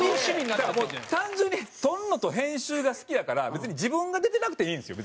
なんかもう単純に撮るのと編集が好きやから自分が出てなくていいんですよ